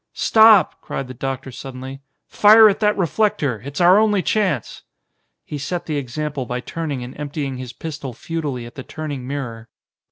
"Stop!" cried the doctor suddenly. "Fire at that reflector! It's our only chance!" He set the example by turning and emptying his pistol futilely at the turning mirror.